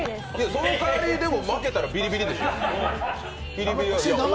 その代わり、負けたらビリビリですよ。